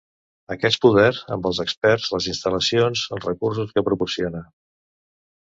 Aquest poder, amb els experts, les instal·lacions, els recursos que proporciona.